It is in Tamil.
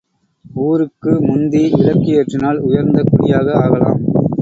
ஊருக்கு முந்தி விளக்கு ஏற்றினால் உயர்ந்த குடியாக ஆகலாம்.